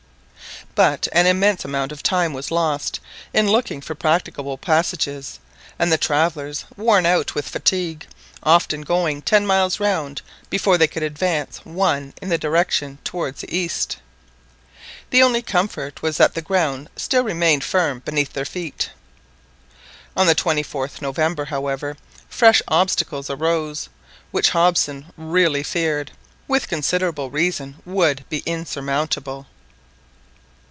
But an immense amount of time was lost in looking for practicable passages, and the travellers were worn out with fatigue, often going ten miles round before they could advance one in the required direction towards the east. The only comfort was that the ground still remained firm beneath their feet. On the 24th November, however, fresh obstacles arose, which Hobson really feared, with considerable reason, would be insurmountable.